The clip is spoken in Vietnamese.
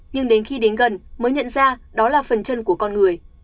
nhưng đến khi đến gần mới nhận ra đó là phần chân của con người